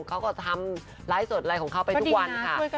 เขาก็ทำไลค์เสิร์ชไลค์ของเขาไปทุกวันค่ะ